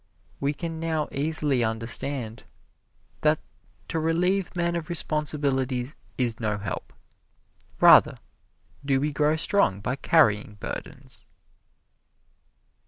We can now easily understand that to relieve men of responsibilities is no help; rather do we grow strong by carrying burdens.